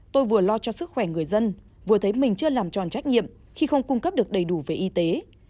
tôi vừa lo cho sức khỏe người dân vừa thấy mình chưa làm tròn trách nhiệm khi không cung cấp được đầy đủ về y tế